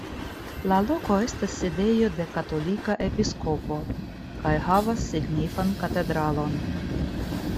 La loko estas sidejo de katolika episkopo kaj havas signifan katedralon.